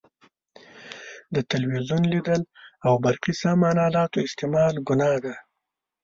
د تلویزیون لیدل او برقي سامان الاتو استعمال ګناه ده.